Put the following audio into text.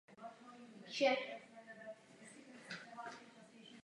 Na dolním toku teče jako klidná řeka s dostatečným množstvím vody.